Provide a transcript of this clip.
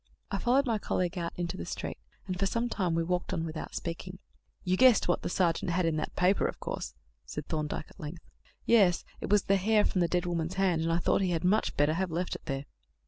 I followed my colleague out into the street, and for some time we walked on without speaking. "You guessed what the sergeant had in that paper, of course," said Thorndyke at length. "Yes. It was the hair from the dead woman's hand; and I thought that he had much better have left it there."